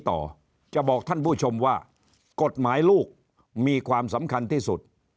ต่อจะบอกท่านผู้ชมว่ากฎหมายลูกมีความสำคัญที่สุด